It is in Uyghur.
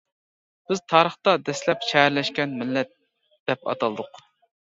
بىز تارىختا دەسلەپ شەھەرلەشكەن مىللەت دەپ ئاتالدۇق.